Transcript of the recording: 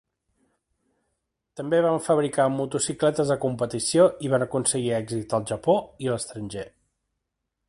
També van fabricar motocicletes de competició i van aconseguir èxits al Japó i a l"estranger.